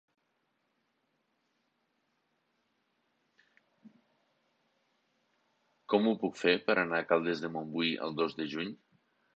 Com ho puc fer per anar a Caldes de Montbui el dos de juny?